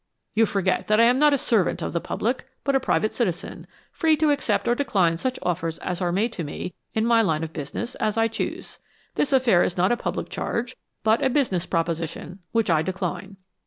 You forget that I am not a servant of the public, but a private citizen, free to accept or decline such offers as are made to me in my line of business, as I choose. This affair is not a public charge, but a business proposition, which I decline.